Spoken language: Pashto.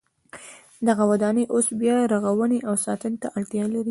دغه ودانۍ اوس بیا رغونې او ساتنې ته اړتیا لري.